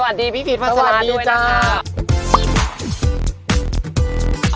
สวัสดีพี่ฟีวภาษณาด้วยนะคะ